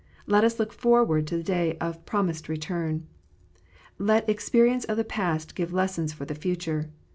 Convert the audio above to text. Let us look forward to the day of the promised return. Let experience of the past give lessons for the future.